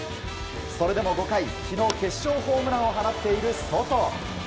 それでも５回、昨日決勝ホームランを放っているソト。